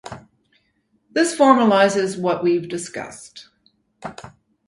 This formalises what we've discussed